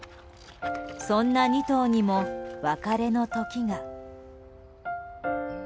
そんな２頭にも別れの時が。